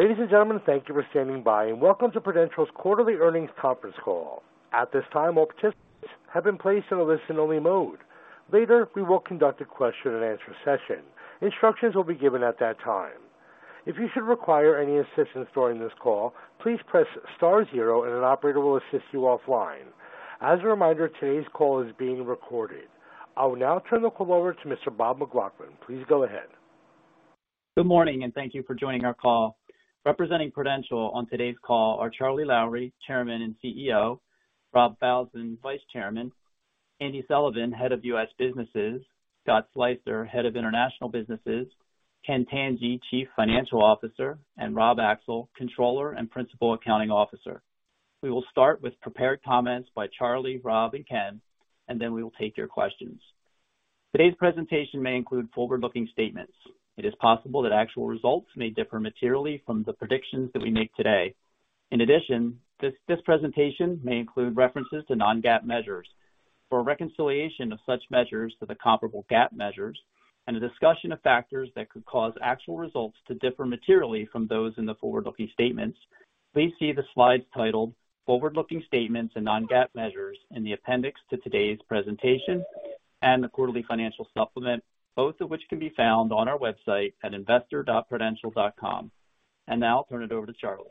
Ladies and gentlemen, thank you for standing by, and welcome to Prudential's quarterly earnings conference call. At this time, all participants have been placed in a listen-only mode. Later, we will conduct a question-and-answer session. Instructions will be given at that time. If you should require any assistance during this call, please press star zero and an operator will assist you offline. As a reminder, today's call is being recorded. I will now turn the call over to Mr. Bob McLaughlin. Please go ahead. Good morning, and thank you for joining our call. Representing Prudential on today's call are Charlie Lowrey, Chairman and CEO, Rob Falzon, Vice Chairman, Andy Sullivan, Head of U.S. Businesses, Scott Sleyster, Head of International Businesses, Ken Tanji, Chief Financial Officer, and Rob Axel, Controller and Principal Accounting Officer. We will start with prepared comments by Charlie, Rob, and Ken, and then we will take your questions. Today's presentation may include forward-looking statements. It is possible that actual results may differ materially from the predictions that we make today. In addition, this presentation may include references to non-GAAP measures. For a reconciliation of such measures to the comparable GAAP measures and a discussion of factors that could cause actual results to differ materially from those in the forward-looking statements, please see the slides titled Forward-Looking Statements and Non-GAAP Measures in the appendix to today's presentation and the quarterly financial supplement, both of which can be found on our website at investor.prudential.com. Now I'll turn it over to Charlie.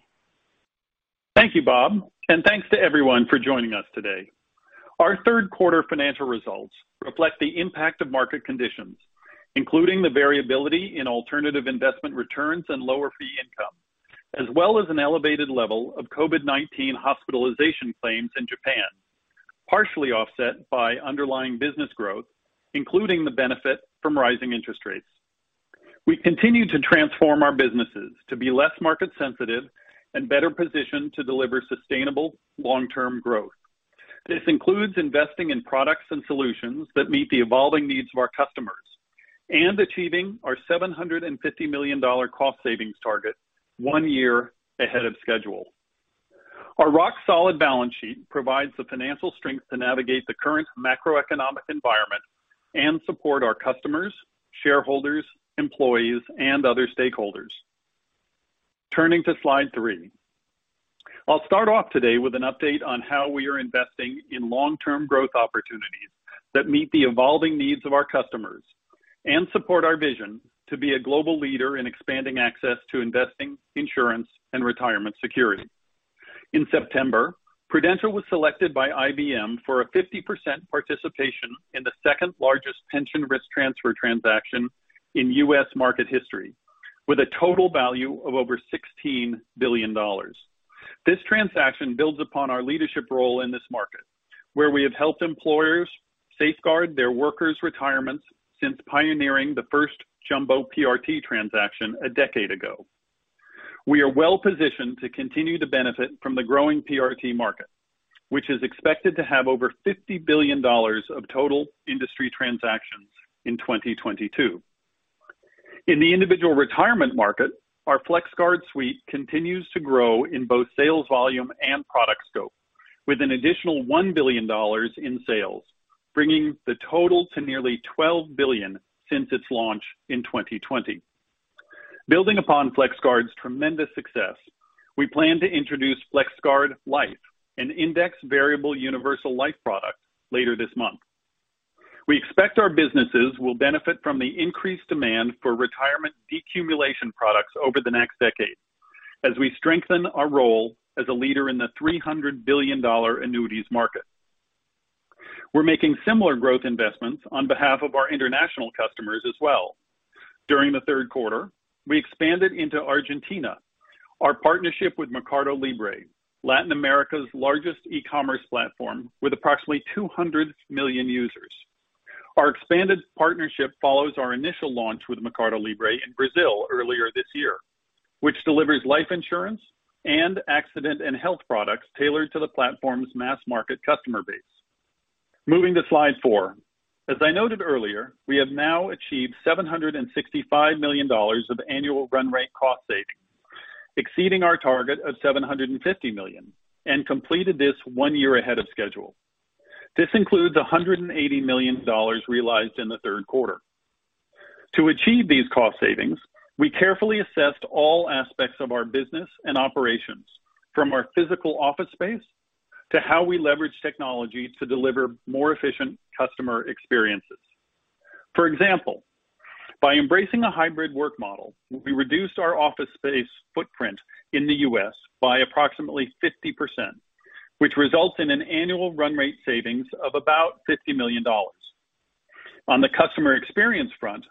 Thank you, Bob, and thanks to everyone for joining us today. Our third quarter financial results reflect the impact of market conditions, including the variability in alternative investment returns and lower fee income, as well as an elevated level of COVID-19 hospitalization claims in Japan, partially offset by underlying business growth, including the benefit from rising interest rates. We continue to transform our businesses to be less market sensitive and better positioned to deliver sustainable long-term growth. This includes investing in products and solutions that meet the evolving needs of our customers and achieving our $750 million cost savings target one year ahead of schedule. Our rock-solid balance sheet provides the financial strength to navigate the current macroeconomic environment and support our customers, shareholders, employees, and other stakeholders. Turning to slide 3. I'll start off today with an update on how we are investing in long-term growth opportunities that meet the evolving needs of our customers and support our vision to be a global leader in expanding access to investing, insurance, and retirement security. In September, Prudential was selected by IBM for a 50% participation in the second-largest pension risk transfer transaction in U.S. market history, with a total value of over $16 billion. This transaction builds upon our leadership role in this market, where we have helped employers safeguard their workers' retirements since pioneering the first jumbo PRT transaction a decade ago. We are well-positioned to continue to benefit from the growing PRT market, which is expected to have over $50 billion of total industry transactions in 2022. In the individual retirement market, our FlexGuard suite continues to grow in both sales volume and product scope, with an additional $1 billion in sales, bringing the total to nearly $12 billion since its launch in 2020. Building upon FlexGuard's tremendous success, we plan to introduce FlexGuard Life, an indexed variable universal life product later this month. We expect our businesses will benefit from the increased demand for retirement decumulation products over the next decade as we strengthen our role as a leader in the $300 billion annuities market. We're making similar growth investments on behalf of our international customers as well. During the third quarter, we expanded into Argentina our partnership with MercadoLibre, Latin America's largest e-commerce platform with approximately 200 million users. Our expanded partnership follows our initial launch with MercadoLibre in Brazil earlier this year, which delivers life insurance and accident and health products tailored to the platform's mass-market customer base. Moving to slide 4. As I noted earlier, we have now achieved $765 million of annual run rate cost savings, exceeding our target of $750 million, and completed this one year ahead of schedule. This includes $180 million realized in the third quarter. To achieve these cost savings, we carefully assessed all aspects of our business and operations, from our physical office space to how we leverage technology to deliver more efficient customer experiences. For example, by embracing a hybrid work model, we reduced our office space footprint in the U.S. by approximately 50%, which results in an annual run rate savings of about $50 million. On the customer experience front,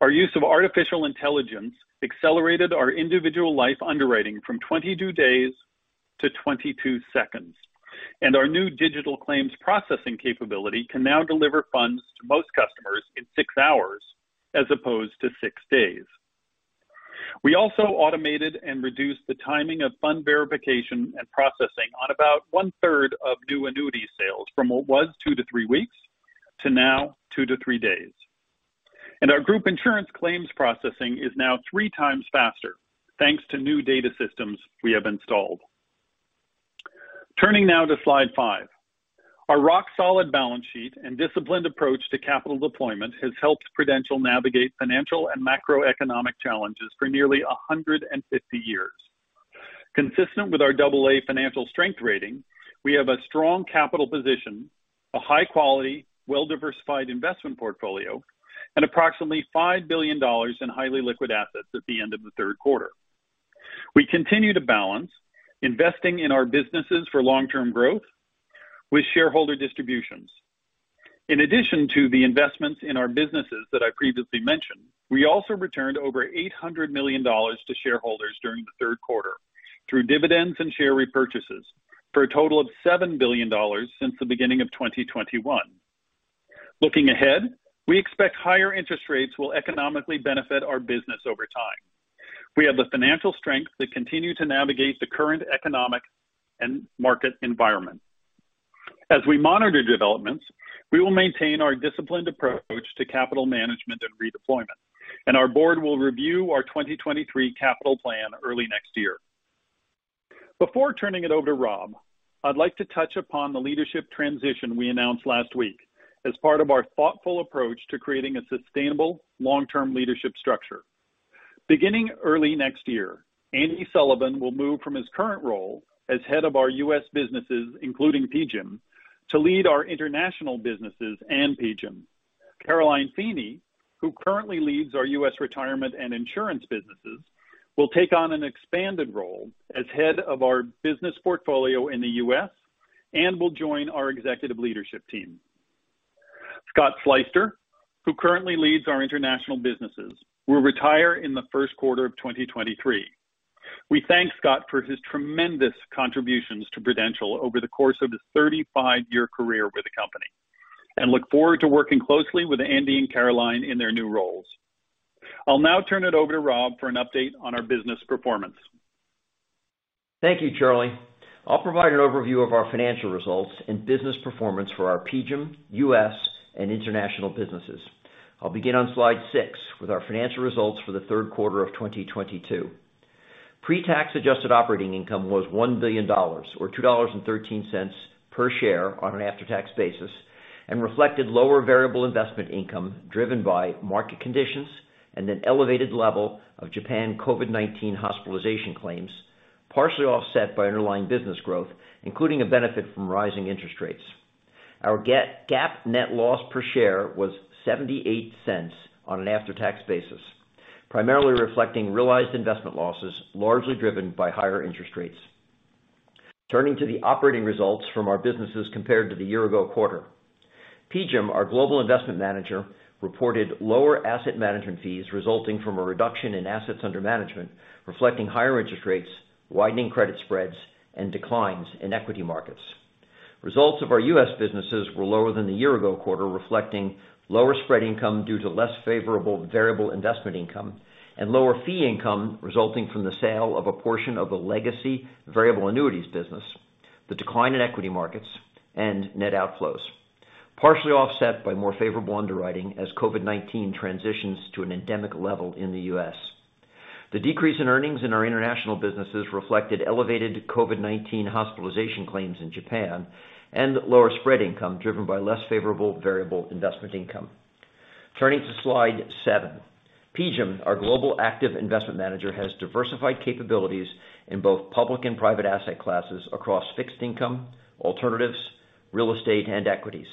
our use of artificial intelligence accelerated our individual life underwriting from 22 days to 22 seconds, and our new digital claims processing capability can now deliver funds to most customers in 6 hours as opposed to 6 days. We also automated and reduced the timing of fund verification and processing on about 1/3 of new annuity sales from what was 2-3 weeks to now 2-3 days. Our group insurance claims processing is now 3x faster, thanks to new data systems we have installed. Turning now to slide 5. Our rock-solid balance sheet and disciplined approach to capital deployment has helped Prudential navigate financial and macroeconomic challenges for nearly 150 years. Consistent with our AA financial strength rating, we have a strong capital position, a high quality, well-diversified investment portfolio, and approximately $5 billion in highly liquid assets at the end of the third quarter. We continue to balance investing in our businesses for long-term growth with shareholder distributions. In addition to the investments in our businesses that I previously mentioned, we also returned over $800 million to shareholders during the third quarter through dividends and share repurchases for a total of $7 billion since the beginning of 2021. Looking ahead, we expect higher interest rates will economically benefit our business over time. We have the financial strength to continue to navigate the current economic and market environment. As we monitor developments, we will maintain our disciplined approach to capital management and redeployment, and our board will review our 2023 capital plan early next year. Before turning it over to Rob, I'd like to touch upon the leadership transition we announced last week as part of our thoughtful approach to creating a sustainable long-term leadership structure. Beginning early next year, Andy Sullivan will move from his current role as head of our U.S. businesses, including PGIM, to lead our international businesses and PGIM. Caroline Feeney, who currently leads our U.S. retirement and insurance businesses, will take on an expanded role as head of our business portfolio in the U.S. and will join our executive leadership team. Scott Sleyster, who currently leads our international businesses, will retire in the first quarter of 2023. We thank Scott for his tremendous contributions to Prudential over the course of his 35-year career with the company, and look forward to working closely with Andy and Caroline in their new roles. I'll now turn it over to Rob for an update on our business performance. Thank you, Charlie. I'll provide an overview of our financial results and business performance for our PGIM, U.S., and international businesses. I'll begin on slide 6 with our financial results for the third quarter of 2022. Pre-tax adjusted operating income was $1 billion or $2.13 per share on an after-tax basis, and reflected lower variable investment income driven by market conditions and an elevated level of Japan COVID-19 hospitalization claims, partially offset by underlying business growth, including a benefit from rising interest rates. Our GAAP net loss per share was $0.78 on an after-tax basis, primarily reflecting realized investment losses, largely driven by higher interest rates. Turning to the operating results from our businesses compared to the year ago quarter. PGIM, our global investment manager, reported lower asset management fees resulting from a reduction in assets under management, reflecting higher interest rates, widening credit spreads, and declines in equity markets. Results of our U.S. businesses were lower than the year-ago quarter, reflecting lower spread income due to less favorable variable investment income and lower fee income resulting from the sale of a portion of the legacy variable annuities business, the decline in equity markets, and net outflows, partially offset by more favorable underwriting as COVID-19 transitions to an endemic level in the U.S. The decrease in earnings in our international businesses reflected elevated COVID-19 hospitalization claims in Japan and lower spread income driven by less favorable variable investment income. Turning to slide 7. PGIM, our global active investment manager, has diversified capabilities in both public and private asset classes across fixed income, alternatives, real estate, and equities.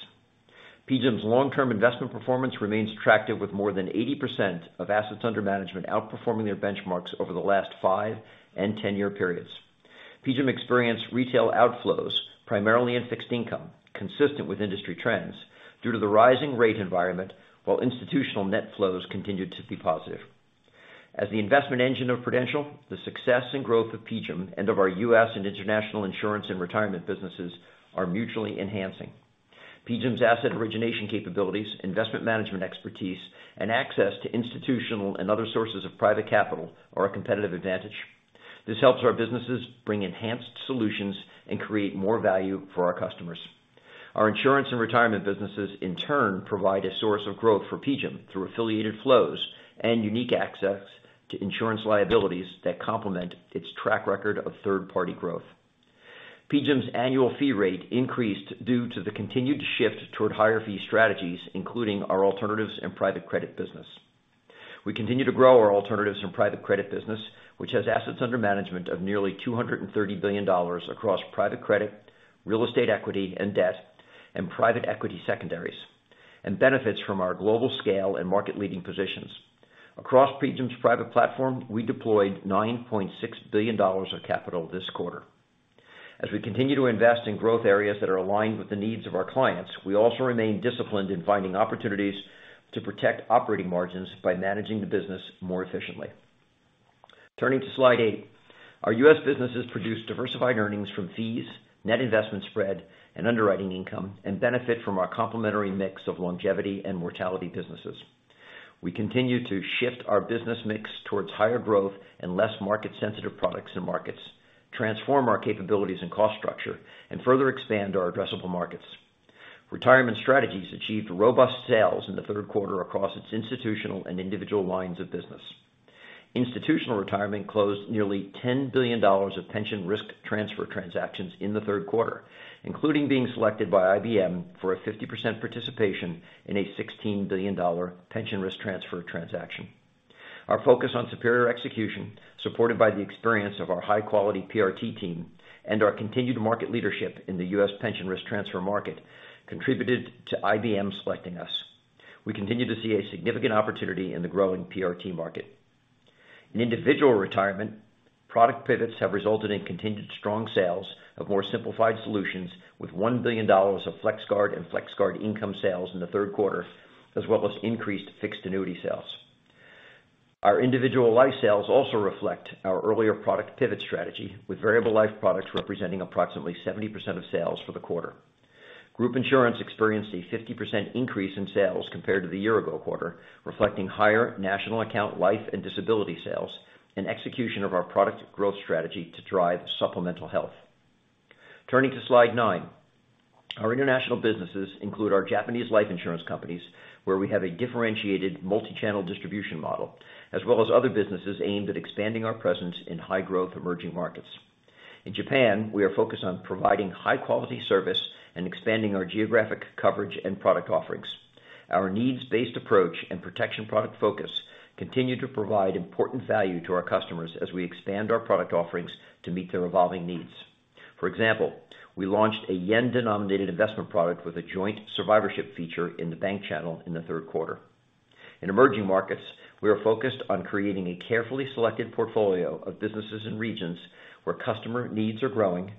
PGIM's long-term investment performance remains attractive, with more than 80% of assets under management outperforming their benchmarks over the last 5 and 10-year periods. PGIM experienced retail outflows primarily in fixed income, consistent with industry trends due to the rising rate environment, while institutional net flows continued to be positive. As the investment engine of Prudential, the success and growth of PGIM and of our U.S. and international insurance and retirement businesses are mutually enhancing. PGIM's asset origination capabilities, investment management expertise, and access to institutional and other sources of private capital are a competitive advantage. This helps our businesses bring enhanced solutions and create more value for our customers. Our insurance and retirement businesses, in turn, provide a source of growth for PGIM through affiliated flows and unique access to insurance liabilities that complement its track record of third-party growth. PGIM's annual fee rate increased due to the continued shift toward higher fee strategies, including our alternatives and private credit business. We continue to grow our alternatives and private credit business, which has assets under management of nearly $230 billion across private credit, real estate equity and debt, and private equity secondaries, and benefits from our global scale and market-leading positions. Across PGIM's private platform, we deployed $9.6 billion of capital this quarter. As we continue to invest in growth areas that are aligned with the needs of our clients, we also remain disciplined in finding opportunities to protect operating margins by managing the business more efficiently. Turning to slide 8. Our U.S. businesses produce diversified earnings from fees, net investment spread, and underwriting income, and benefit from our complementary mix of longevity and mortality businesses. We continue to shift our business mix towards higher growth and less market-sensitive products and markets, transform our capabilities and cost structure, and further expand our addressable markets. Retirement strategies achieved robust sales in the third quarter across its institutional and individual lines of business. Institutional retirement closed nearly $10 billion of pension risk transfer transactions in the third quarter, including being selected by IBM for a 50% participation in a $16 billion pension risk transfer transaction. Our focus on superior execution, supported by the experience of our high-quality PRT team and our continued market leadership in the U.S. pension risk transfer market contributed to IBM selecting us. We continue to see a significant opportunity in the growing PRT market. In individual retirement, product pivots have resulted in continued strong sales of more simplified solutions, with $1 billion of FlexGuard and FlexGuard Income sales in the third quarter, as well as increased fixed annuity sales. Our individual life sales also reflect our earlier product pivot strategy, with variable life products representing approximately 70% of sales for the quarter. Group insurance experienced a 50% increase in sales compared to the year-ago quarter, reflecting higher national account life and disability sales and execution of our product growth strategy to drive supplemental health. Turning to slide 9. Our international businesses include our Japanese life insurance companies, where we have a differentiated multi-channel distribution model, as well as other businesses aimed at expanding our presence in high-growth emerging markets. In Japan, we are focused on providing high-quality service and expanding our geographic coverage and product offerings. Our needs-based approach and protection product focus continue to provide important value to our customers as we expand our product offerings to meet their evolving needs. For example, we launched a yen-denominated investment product with a joint survivorship feature in the bank channel in the third quarter. In emerging markets, we are focused on creating a carefully selected portfolio of businesses and regions where customer needs are growing,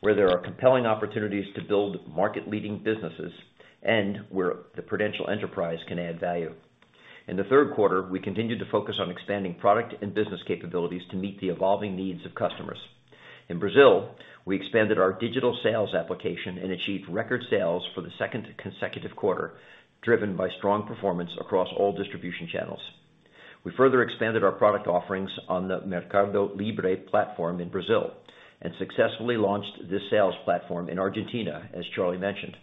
where there are compelling opportunities to build market-leading businesses, and where the Prudential enterprise can add value. In the third quarter, we continued to focus on expanding product and business capabilities to meet the evolving needs of customers. In Brazil, we expanded our digital sales application and achieved record sales for the second consecutive quarter, driven by strong performance across all distribution channels. We further expanded our product offerings on the MercadoLibre platform in Brazil and successfully launched this sales platform in Argentina, as Charlie mentioned.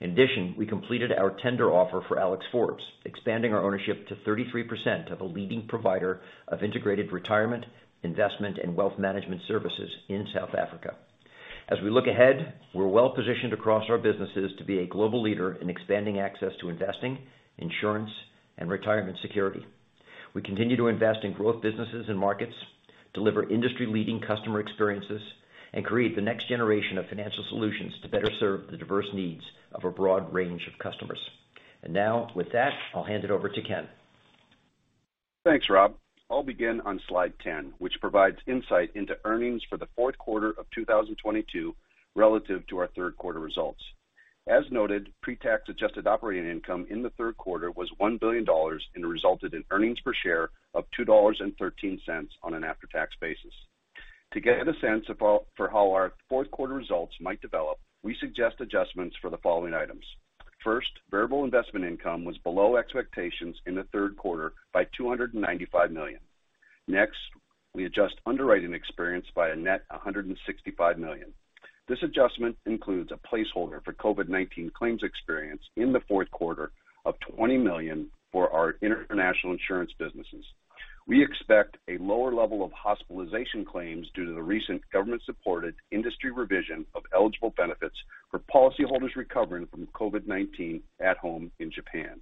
In addition, we completed our tender offer for Alexander Forbes, expanding our ownership to 33% of a leading provider of integrated retirement, investment, and wealth management services in South Africa. As we look ahead, we're well-positioned across our businesses to be a global leader in expanding access to investing, insurance, and retirement security. We continue to invest in growth businesses and markets, deliver industry-leading customer experiences, and create the next generation of financial solutions to better serve the diverse needs of a broad range of customers. Now, with that, I'll hand it over to Ken. Thanks, Rob. I'll begin on slide 10, which provides insight into earnings for the fourth quarter of 2022 relative to our third quarter results. As noted, pre-tax adjusted operating income in the third quarter was $1 billion and resulted in earnings per share of $2.13 on an after-tax basis. To get a sense of how our fourth quarter results might develop, we suggest adjustments for the following items. First, variable investment income was below expectations in the third quarter by $295 million. Next, we adjust underwriting experience by a net $165 million. This adjustment includes a placeholder for COVID-19 claims experience in the fourth quarter of $20 million for our international insurance businesses. We expect a lower level of hospitalization claims due to the recent government-supported industry revision of eligible benefits for policyholders recovering from COVID-19 at home in Japan.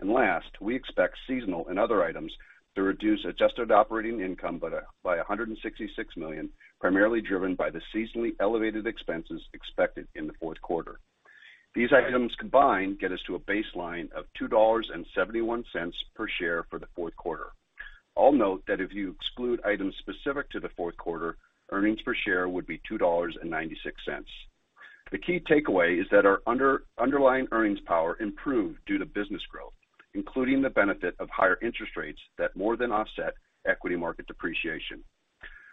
Last, we expect seasonal and other items to reduce adjusted operating income by $166 million, primarily driven by the seasonally elevated expenses expected in the fourth quarter. These items combined get us to a baseline of $2.71 per share for the fourth quarter. I'll note that if you exclude items specific to the fourth quarter, earnings per share would be $2.96. The key takeaway is that our underlying earnings power improved due to business growth, including the benefit of higher interest rates that more than offset equity market depreciation.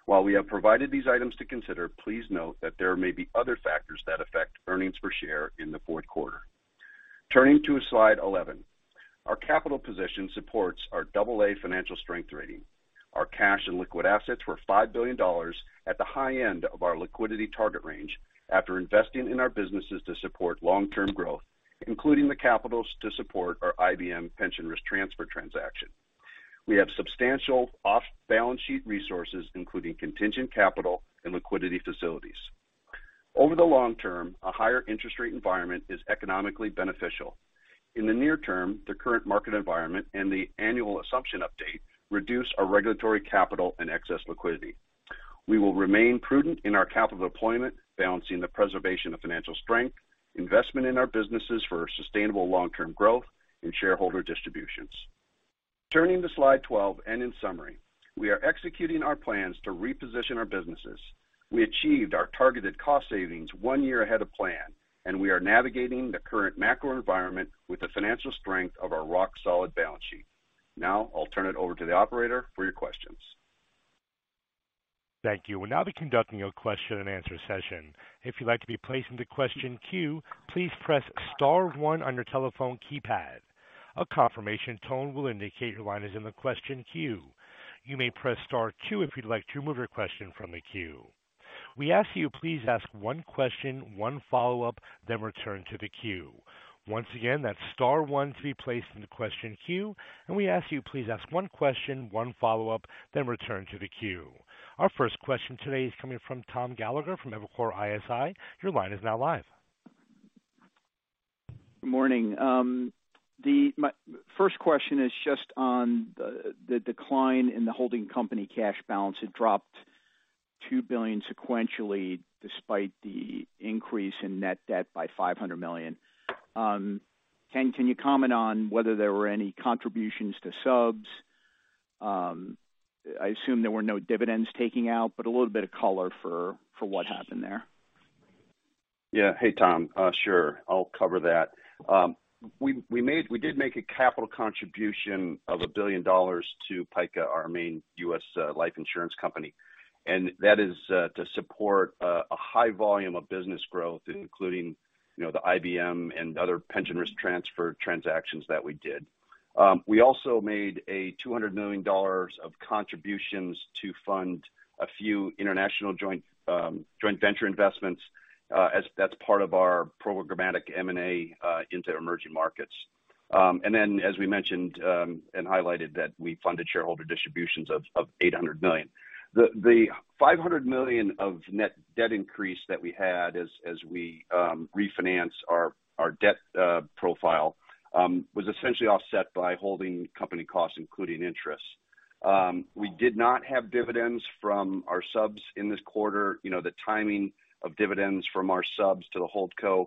While we have provided these items to consider, please note that there may be other factors that affect earnings per share in the fourth quarter. Turning to slide 11. Our capital position supports our AA financial strength rating. Our cash and liquid assets were $5 billion at the high end of our liquidity target range after investing in our businesses to support long-term growth, including the capital to support our IBM pension risk transfer transaction. We have substantial off-balance sheet resources, including contingent capital and liquidity facilities. Over the long term, a higher interest rate environment is economically beneficial. In the near term, the current market environment and the annual assumption update reduce our regulatory capital and excess liquidity. We will remain prudent in our capital deployment, balancing the preservation of financial strength, investment in our businesses for sustainable long-term growth, and shareholder distributions. Turning to slide 12, in summary, we are executing our plans to reposition our businesses. We achieved our targeted cost savings 1 year ahead of plan, and we are navigating the current macro environment with the financial strength of our rock-solid balance sheet. Now, I'll turn it over to the operator for your questions. Thank you. We'll now be conducting a question-and-answer session. If you'd like to be placed in the question queue, please press star one on your telephone keypad. A confirmation tone will indicate your line is in the question queue. You may press star two if you'd like to remove your question from the queue. We ask you please ask one question, one follow-up, then return to the queue. Once again, that's star one to be placed in the question queue. We ask you please ask one question, one follow-up, then return to the queue. Our first question today is coming from Tom Gallagher from Evercore ISI. Your line is now live. Good morning. My first question is just on the decline in the holding company cash balance. It dropped $2 billion sequentially despite the increase in net debt by $500 million. Ken, can you comment on whether there were any contributions to subs? I assume there were no dividends taking out, but a little bit of color for what happened there. Yeah. Hey, Tom. Sure. I'll cover that. We made a capital contribution of $1 billion to PICA, our main U.S. life insurance company. That is to support a high volume of business growth, including, you know, the IBM and other pension risk transfer transactions that we did. We also made $200 million of contributions to fund a few international joint venture investments. As that's part of our programmatic M&A into emerging markets. As we mentioned and highlighted that we funded shareholder distributions of $800 million. The $500 million of net debt increase that we had as we refinance our debt profile was essentially offset by holding company costs, including interest. We did not have dividends from our subs in this quarter. You know, the timing of dividends from our subs to the Holdco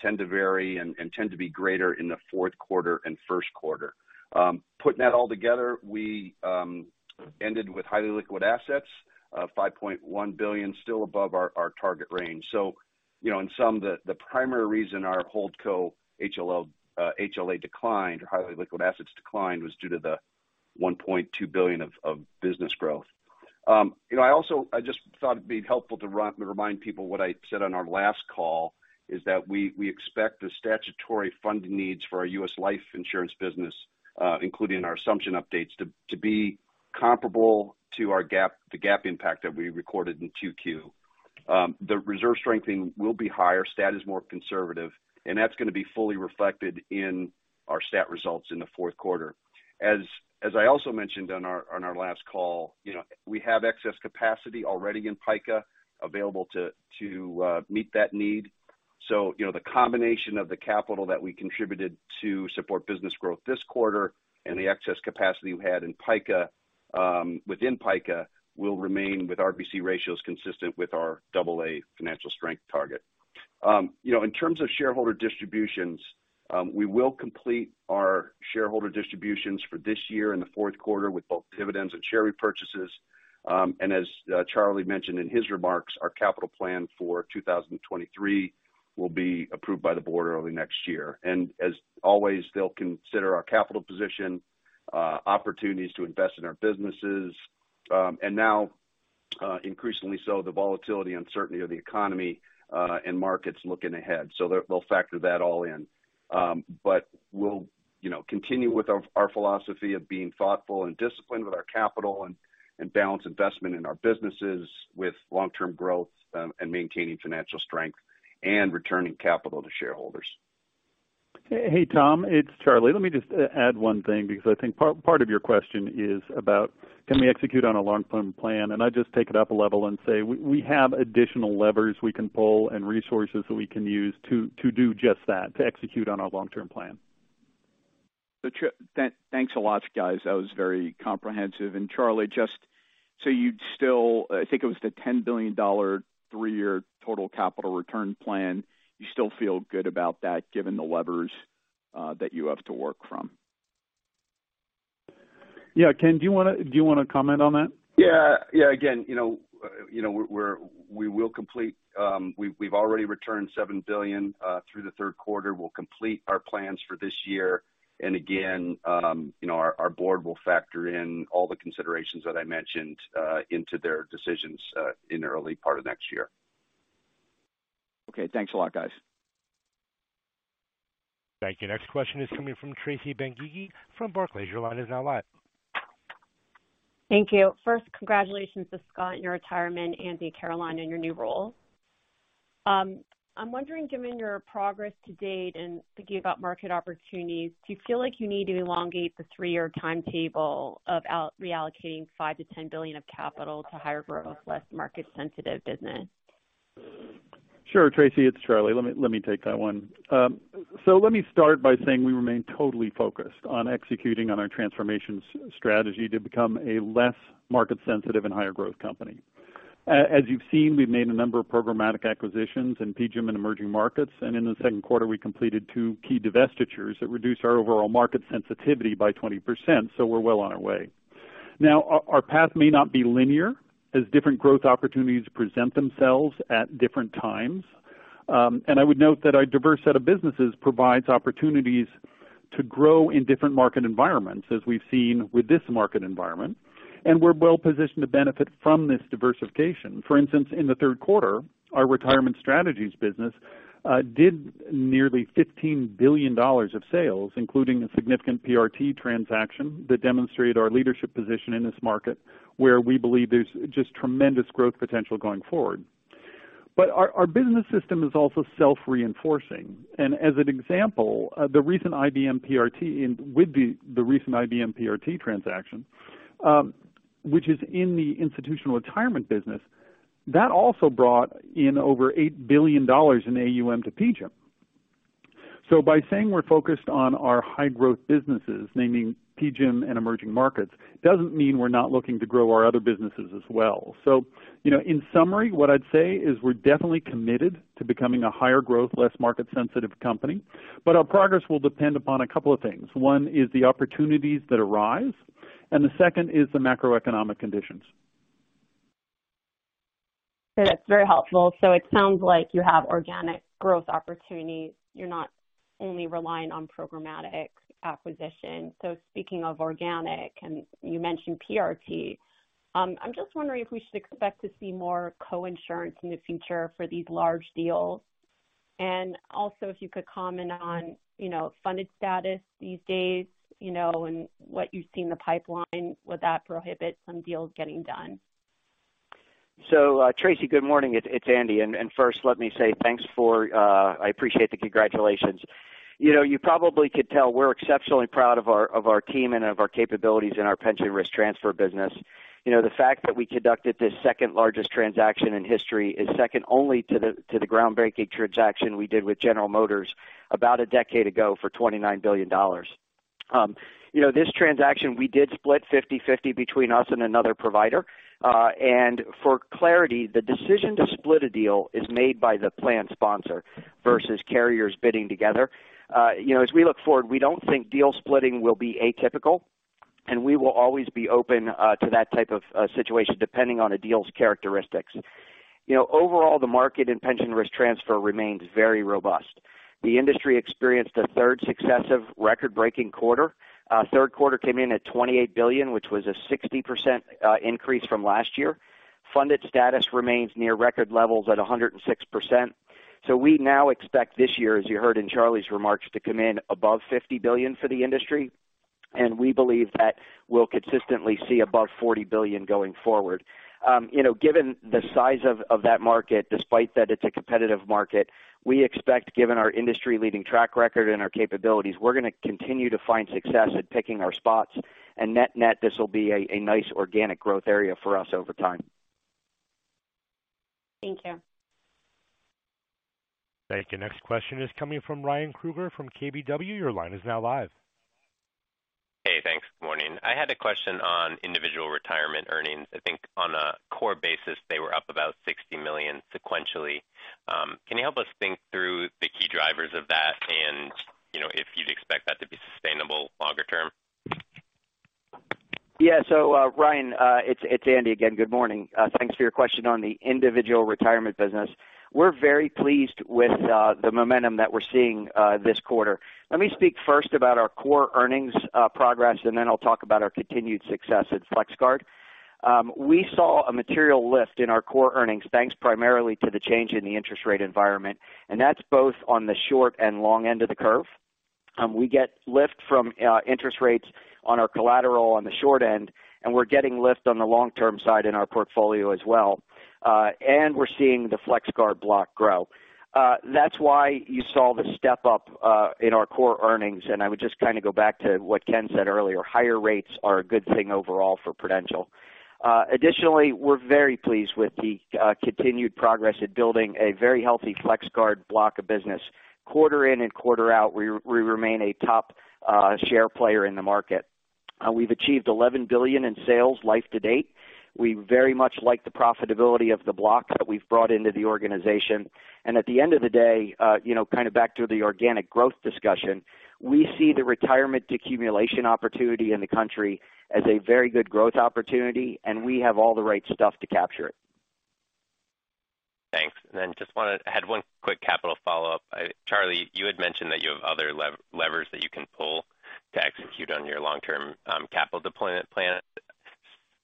tend to vary and tend to be greater in the fourth quarter and first quarter. Putting that all together, we ended with highly liquid assets of $5.1 billion still above our target range. You know, in sum, the primary reason our Holdco HLA declined or highly liquid assets declined was due to the $1.2 billion of business growth. You know, I just thought it'd be helpful to remind people what I said on our last call is that we expect the statutory funding needs for our U.S. life insurance business, including our assumption updates to be comparable to our GAAP, the GAAP impact that we recorded in 2Q. The reserve strengthening will be higher. Stat is more conservative, and that's going to be fully reflected in our stat results in the fourth quarter. I also mentioned on our last call, you know, we have excess capacity already in PICA available to meet that need. You know, the combination of the capital that we contributed to support business growth this quarter and the excess capacity we had in PICA, within PICA will remain with RBC ratios consistent with our AA financial strength target. You know, in terms of shareholder distributions, we will complete our shareholder distributions for this year in the fourth quarter with both dividends and share repurchases. As Charlie mentioned in his remarks, our capital plan for 2023 will be approved by the board early next year. As always, they'll consider our capital position, opportunities to invest in our businesses, and now, increasingly so the volatility, uncertainty of the economy, and markets looking ahead. They'll factor that all in. We'll continue with our philosophy of being thoughtful and disciplined with our capital and balance investment in our businesses with long-term growth, and maintaining financial strength and returning capital to shareholders. Hey, Tom, it's Charlie. Let me just add one thing, because I think part of your question is about can we execute on a long-term plan? I just take it up a level and say we have additional levers we can pull and resources that we can use to do just that, to execute on our long-term plan. Charlie, thanks a lot, guys. That was very comprehensive. Charlie, just so you’d still, I think it was the $10 billion 3-year total capital return plan, you still feel good about that given the levers that you have to work from. Yeah. Ken, do you wanna comment on that? Yeah. Again, you know, we will complete, we've already returned $7 billion through the third quarter. We'll complete our plans for this year. Again, you know, our board will factor in all the considerations that I mentioned into their decisions in the early part of next year. Okay. Thanks a lot, guys. Thank you. Next question is coming from Tracy Benguigui from Barclays. Your line is now live. Thank you. First, congratulations to Scott on your retirement and to Caroline on your new role. I'm wondering, given your progress to date and thinking about market opportunities, do you feel like you need to elongate the 3-year timetable of reallocating $5 billion-$10 billion of capital to higher growth, less market-sensitive business? Sure. Tracy, it's Charlie. Let me take that one. Let me start by saying we remain totally focused on executing on our transformation strategy to become a less market sensitive and higher growth company. As you've seen, we've made a number of programmatic acquisitions in PGIM and emerging markets, and in the second quarter, we completed two key divestitures that reduce our overall market sensitivity by 20%. We're well on our way. Now, our path may not be linear as different growth opportunities present themselves at different times. I would note that our diverse set of businesses provides opportunities to grow in different market environments, as we've seen with this market environment. We're well positioned to benefit from this diversification. For instance, in the third quarter, our retirement strategies business did nearly $15 billion of sales, including a significant PRT transaction that demonstrated our leadership position in this market, where we believe there's just tremendous growth potential going forward. Our business system is also self-reinforcing. As an example, the recent IBM PRT transaction, which is in the institutional retirement business, that also brought in over $8 billion in AUM to PGIM. By saying we're focused on our high-growth businesses, naming PGIM and emerging markets, doesn't mean we're not looking to grow our other businesses as well. You know, in summary, what I'd say is we're definitely committed to becoming a higher growth, less market sensitive company, but our progress will depend upon a couple of things. One is the opportunities that arise, and the second is the macroeconomic conditions. That's very helpful. It sounds like you have organic growth opportunities. You're not only relying on programmatic acquisition. Speaking of organic, and you mentioned PRT, I'm just wondering if we should expect to see more co-insurance in the future for these large deals. Also if you could comment on, you know, funded status these days, you know, and what you see in the pipeline. Would that prohibit some deals getting done? Tracy, good morning. It's Andy. First let me say thanks, I appreciate the congratulations. You know, you probably could tell we're exceptionally proud of our team and of our capabilities in our pension risk transfer business. You know, the fact that we conducted the second largest transaction in history is second only to the groundbreaking transaction we did with General Motors about a decade ago for $29 billion. You know, this transaction, we did split 50/50 between us and another provider. For clarity, the decision to split a deal is made by the plan sponsor versus carriers bidding together. You know, as we look forward, we don't think deal splitting will be atypical, and we will always be open to that type of situation depending on a deal's characteristics. You know, overall, the market and pension risk transfer remains very robust. The industry experienced a third successive record-breaking quarter. Third quarter came in at $28 billion, which was a 60% increase from last year. Funded status remains near record levels at 106%. We now expect this year, as you heard in Charlie's remarks, to come in above $50 billion for the industry, and we believe that we'll consistently see above $40 billion going forward. You know, given the size of that market, despite that it's a competitive market, we expect, given our industry leading track record and our capabilities, we're gonna continue to find success at picking our spots. Net-net, this will be a nice organic growth area for us over time. Thank you. Thank you. Next question is coming from Ryan Krueger from KBW. Your line is now live. Hey, thanks. Morning. I had a question on individual retirement earnings. I think on a core basis, they were up about $60 million sequentially. Can you help us think through the key drivers of that and, you know, if you'd expect that to be sustainable longer term? Yeah. Ryan, it's Andy again. Good morning. Thanks for your question on the individual retirement business. We're very pleased with the momentum that we're seeing this quarter. Let me speak first about our core earnings progress, and then I'll talk about our continued success at FlexGuard. We saw a material lift in our core earnings, thanks primarily to the change in the interest rate environment, and that's both on the short and long end of the curve. We get lift from interest rates on our collateral on the short end, and we're getting lift on the long-term side in our portfolio as well. We're seeing the FlexGuard block grow. That's why you saw the step up in our core earnings. I would just kind of go back to what Ken said earlier. Higher rates are a good thing overall for Prudential. Additionally, we're very pleased with the continued progress in building a very healthy FlexGuard block of business. Quarter in and quarter out, we remain a top share player in the market. We've achieved $11 billion in sales life to date. We very much like the profitability of the block that we've brought into the organization. At the end of the day, you know, kind of back to the organic growth discussion, we see the retirement accumulation opportunity in the country as a very good growth opportunity, and we have all the right stuff to capture it. Thanks. Then just wanna I had one quick capital follow-up. Charlie, you had mentioned that you have other levers that you can pull to execute on your long-term capital deployment plan.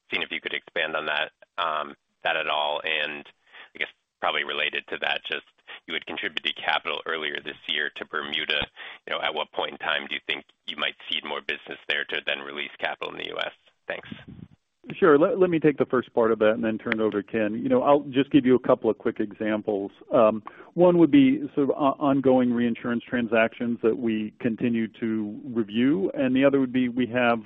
Just seeing if you could expand on that at all. I guess probably related to that, just you had contributed capital earlier this year to Bermuda. You know, at what point in time do you think you might cede more business there to then release capital in the U.S.? Thanks. Sure. Let me take the first part of that and then turn it over to Ken. You know, I'll just give you a couple of quick examples. One would be sort of ongoing reinsurance transactions that we continue to review, and the other would be, we have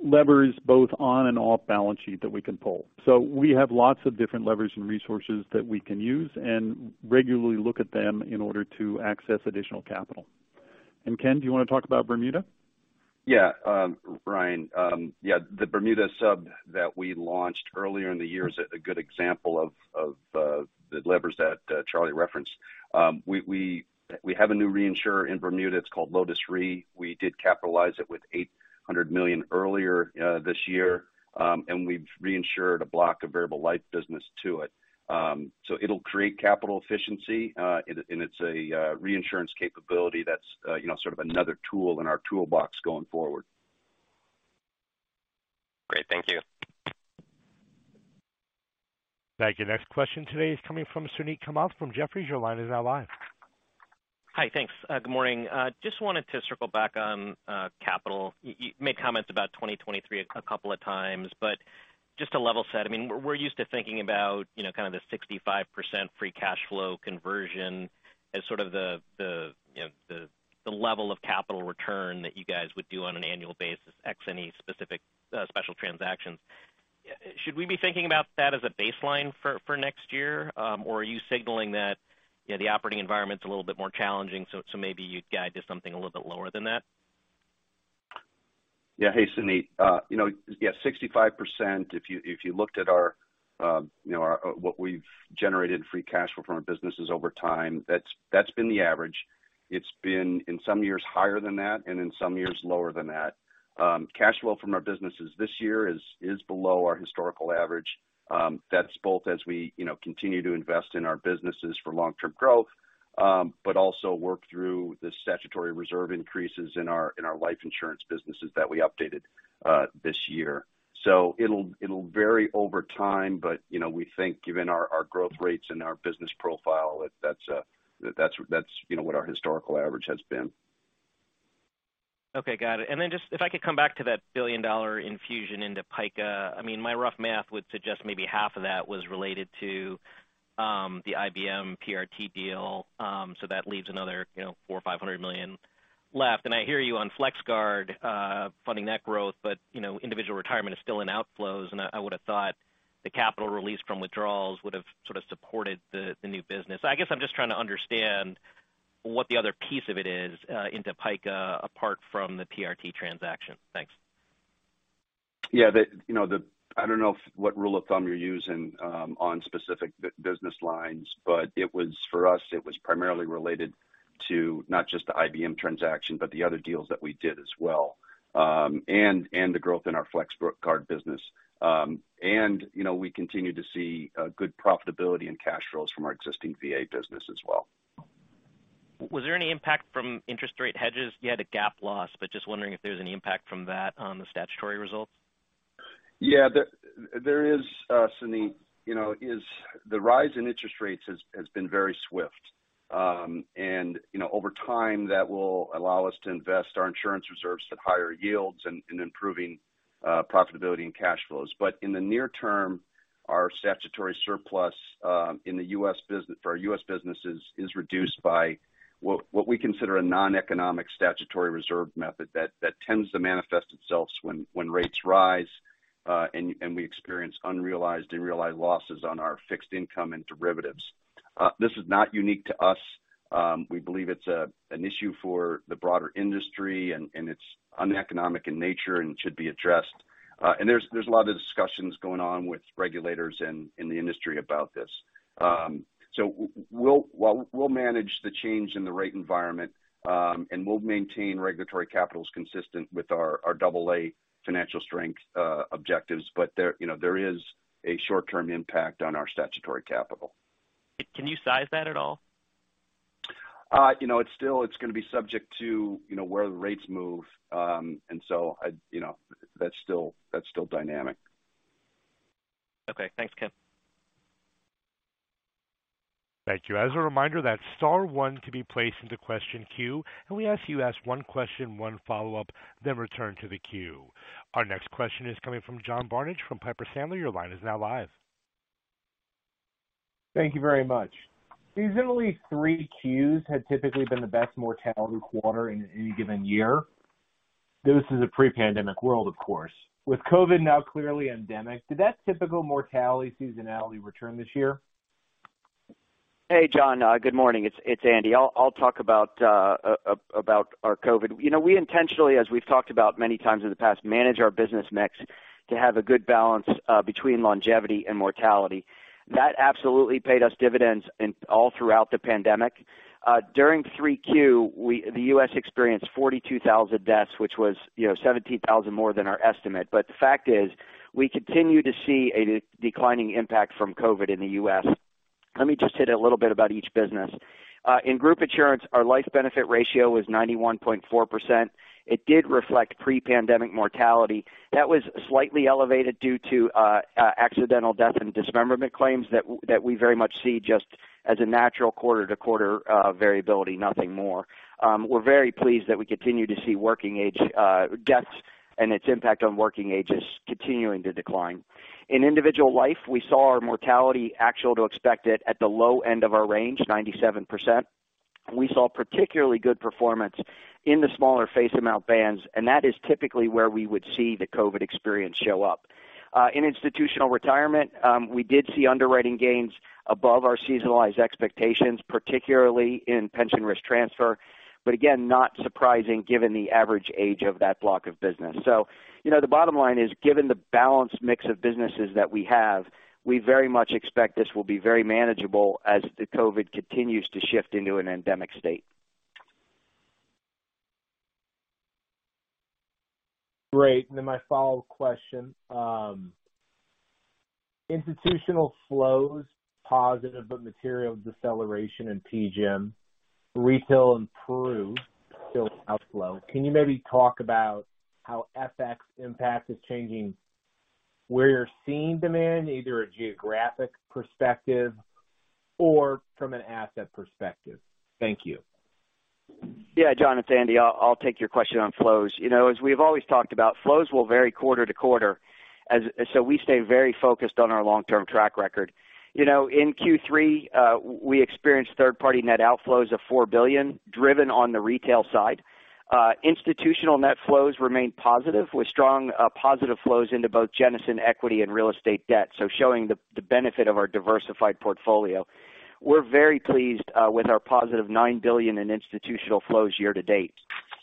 levers both on and off balance sheet that we can pull. We have lots of different levers and resources that we can use and regularly look at them in order to access additional capital. Ken, do you wanna talk about Bermuda? Yeah, Ryan. Yeah, the Bermuda sub that we launched earlier in the year is a good example of the levers that Charlie referenced. We have a new reinsurer in Bermuda. It's called Lotus Re. We did capitalize it with $800 million earlier this year. We've reinsured a block of variable life business to it. It'll create capital efficiency, and it's a reinsurance capability that's you know, sort of another tool in our toolbox going forward. Great. Thank you. Thank you. Next question today is coming from Suneet Kamath from Jefferies. Your line is now live. Hi. Thanks. Good morning. Just wanted to circle back on capital. You made comments about 2023 a couple of times, but just to level set, I mean, we're used to thinking about, you know, kind of the 65% free cash flow conversion as sort of the, you know, the level of capital return that you guys would do on an annual basis, ex any specific special transactions. Should we be thinking about that as a baseline for next year? Or are you signaling that, you know, the operating environment is a little bit more challenging, so maybe you'd guide to something a little bit lower than that? Hey, Suneet. 65% if you looked at what we've generated in free cash flow from our businesses over time, that's been the average. It's been in some years higher than that, and in some years lower than that. Cash flow from our businesses this year is below our historical average. That's both as we continue to invest in our businesses for long-term growth, but also work through the statutory reserve increases in our life insurance businesses that we updated this year. It'll vary over time, but we think given our growth rates and our business profile, that's what our historical average has been. Okay. Got it. Just if I could come back to that billion-dollar infusion into PICA, I mean, my rough math would suggest maybe half of that was related to the IBM PRT deal, so that leaves another, you know, $400 million or $500 million left. I hear you on FlexGuard, funding that growth, but, you know, individual retirement is still in outflows, and I would have thought the capital release from withdrawals would have sort of supported the new business. I guess I'm just trying to understand what the other piece of it is into PICA, apart from the PRT transaction. Thanks. I don't know what rule of thumb you're using on specific business lines, but it was for us, it was primarily related to not just the IBM transaction, but the other deals that we did as well, and the growth in our FlexGuard VA business. We continue to see good profitability and cash flows from our existing VA business as well. Was there any impact from interest rate hedges? You had a GAAP loss, but just wondering if there was any impact from that on the statutory results? Yeah. There is, Suneet. You know, the rise in interest rates has been very swift. You know, over time, that will allow us to invest our insurance reserves at higher yields and improving profitability and cash flows. In the near term, our statutory surplus in the U.S. business, for our U.S. businesses, is reduced by what we consider a noneconomic statutory reserve method that tends to manifest itself when rates rise, and we experience unrealized and realized losses on our fixed income and derivatives. This is not unique to us. We believe it's an issue for the broader industry, and it's uneconomic in nature and should be addressed. There's a lot of discussions going on with regulators in the industry about this. We'll manage the change in the rate environment, and we'll maintain regulatory capitals consistent with our AA financial strength objectives. There, you know, there is a short-term impact on our statutory capital. Can you size that at all? You know, it's still going to be subject to, you know, where the rates move. You know, that's still dynamic. Okay. Thanks, Ken. Thank you. As a reminder, that star one can be placed into question queue, and we ask you to ask one question, one follow-up, then return to the queue. Our next question is coming from John Barnidge from Piper Sandler. Your line is now live. Thank you very much. Seasonally, 3 Qs had typically been the best mortality quarter in any given year. This is a pre-pandemic world, of course. With COVID now clearly endemic, did that typical mortality seasonality return this year? Hey, John. Good morning. It's Andy. I'll talk about our COVID. You know, we intentionally, as we've talked about many times in the past, manage our business mix to have a good balance between longevity and mortality. That absolutely paid us dividends all throughout the pandemic. During 3Q, the U.S. experienced 42,000 deaths, which was, you know, 17,000 more than our estimate. The fact is we continue to see a declining impact from COVID in the U.S. Let me just hit a little bit about each business. In group insurance, our life benefit ratio was 91.4%. It did reflect pre-pandemic mortality. That was slightly elevated due to accidental death and dismemberment claims that we very much see just as a natural quarter-to-quarter variability, nothing more. We're very pleased that we continue to see working-age deaths and its impact on working ages continuing to decline. In individual life, we saw our mortality actual-to-expected at the low end of our range, 97%. We saw particularly good performance in the smaller face amount bands, and that is typically where we would see the COVID experience show up. In institutional retirement, we did see underwriting gains above our seasonalized expectations, particularly in pension risk transfer. But again, not surprising given the average age of that block of business. You know, the bottom line is, given the balanced mix of businesses that we have, we very much expect this will be very manageable as the COVID continues to shift into an endemic state. Great. My follow-up question. Institutional flows positive, but material deceleration in PGIM, retail improved, still outflow. Can you maybe talk about how FX impact is changing? Where you're seeing demand, either a geographic perspective or from an asset perspective? Thank you. Yeah, John, it's Andy. I'll take your question on flows. You know, as we've always talked about, flows will vary quarter to quarter as we stay very focused on our long-term track record. You know, in Q3, we experienced third-party net outflows of $4 billion driven on the retail side. Institutional net flows remained positive with strong positive flows into both Jennison Equity and Real Estate Debt. Showing the benefit of our diversified portfolio. We're very pleased with our positive $9 billion in institutional flows year to date.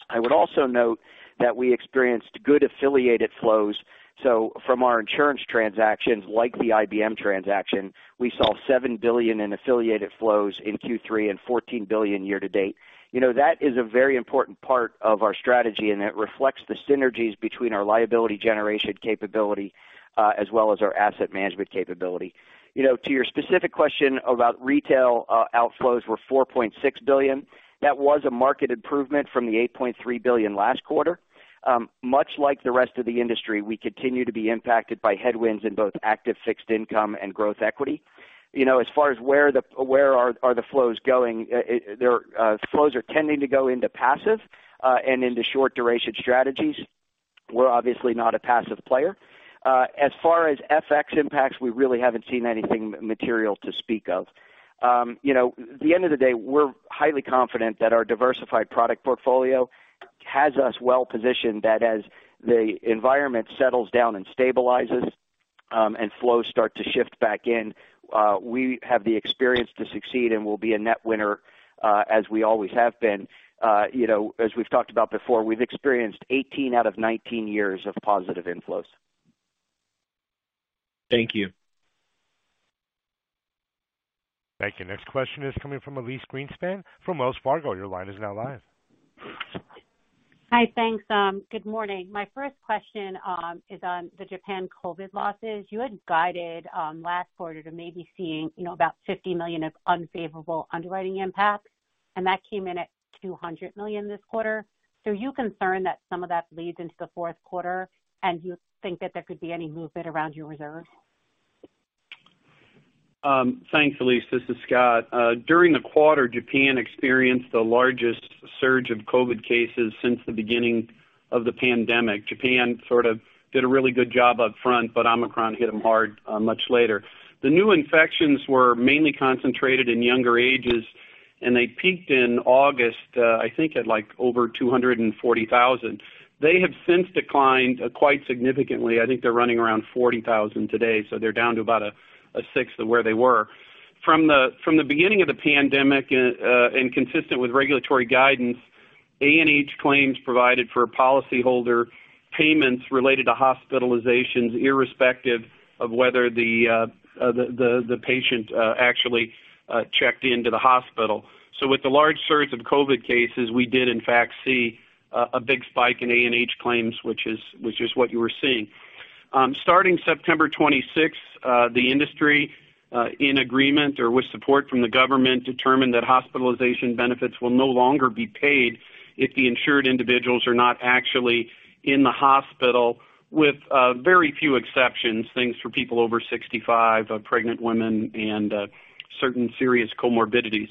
I would also note that we experienced good affiliated flows. From our insurance transactions, like the IBM transaction, we saw $7 billion in affiliated flows in Q3 and $14 billion year to date. You know, that is a very important part of our strategy, and it reflects the synergies between our liability generation capability, as well as our asset management capability. You know, to your specific question about retail, outflows were $4.6 billion. That was a marked improvement from the $8.3 billion last quarter. Much like the rest of the industry, we continue to be impacted by headwinds in both active fixed income and growth equity. You know, as far as where the flows are going, the flows are tending to go into passive, and into short duration strategies. We're obviously not a passive player. As far as FX impacts, we really haven't seen anything material to speak of. You know, at the end of the day, we're highly confident that our diversified product portfolio has us well positioned that as the environment settles down and stabilizes, and flows start to shift back in, we have the experience to succeed and will be a net winner, as we always have been. You know, as we've talked about before, we've experienced 18 out of 19 years of positive inflows. Thank you. Thank you. Next question is coming from Elyse Greenspan from Wells Fargo. Your line is now live. Hi. Thanks. Good morning. My first question is on the Japan COVID losses. You had guided last quarter to maybe seeing, you know, about $50 million of unfavorable underwriting impact, and that came in at $200 million this quarter. Are you concerned that some of that bleeds into the fourth quarter, and do you think that there could be any movement around your reserve? Thanks, Elyse. This is Scott. During the quarter, Japan experienced the largest surge of COVID cases since the beginning of the pandemic. Japan sort of did a really good job up front, but Omicron hit them hard, much later. The new infections were mainly concentrated in younger ages and they peaked in August, I think at, like, over 240,000. They have since declined quite significantly. I think they're running around 40,000 today, so they're down to about 1/6 of where they were. From the beginning of the pandemic and consistent with regulatory guidance, A&H claims provided for policyholder payments related to hospitalizations, irrespective of whether the patient actually checked into the hospital. With the large surge of COVID cases, we did in fact see a big spike in A&H claims, which is what you were seeing. Starting September 26th, the industry in agreement or with support from the government determined that hospitalization benefits will no longer be paid if the insured individuals are not actually in the hospital, with very few exceptions, things for people over 65, pregnant women and certain serious comorbidities.